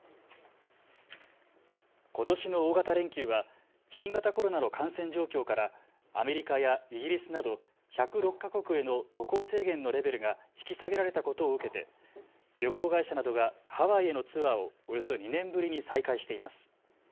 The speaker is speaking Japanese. ことしの大型連休は新型コロナの感染状況からアメリカやイギリスなど１０６か国への渡航制限のレベルが引き下げられたことを受けて旅行会社などがハワイへのツアーをおよそ２年ぶりに再開しています。